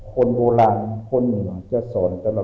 คนโบราณคนเหมือนเคนศลก็ล่ะว่า